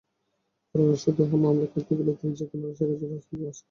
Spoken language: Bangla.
কারণ রাষ্ট্রদ্রোহ মামলা করলে তিনি যেকোনো রাষ্ট্রের কাছে রাজনৈতিক আশ্রয় চাইতে পারবেন।